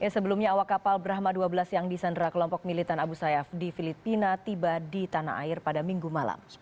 sebelumnya awak kapal brahma dua belas yang disandera kelompok militan abu sayyaf di filipina tiba di tanah air pada minggu malam